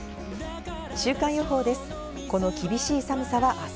週間予報です。